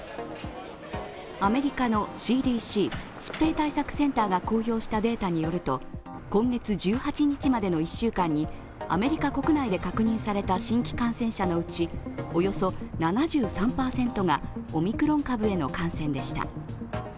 アメリカのＣＤＣ＝疾病対策センターが公表したデータによると今月１８日までの１週間にアメリカ国内で確認された新規感染者のうちおよそ７３％がオミクロン株への感染でした。